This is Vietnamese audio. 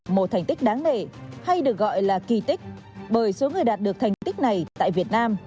một thành tích đáng nể hay được gọi là kỳ tích bởi số người đạt được thành tích này tại việt nam